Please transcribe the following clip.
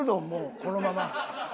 もうこのまま。